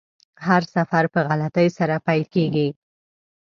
هر سفر په غلطۍ سره پیل کیږي.